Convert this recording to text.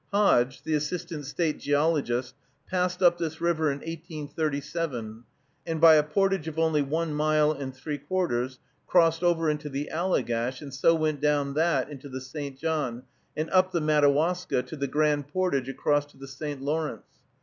Hodge, the Assistant State Geologist, passed up this river in 1837, and by a portage of only one mile and three quarters crossed over into the Allegash, and so went down that into the St. John, and up the Madawaska to the Grand Portage across to the St. Lawrence.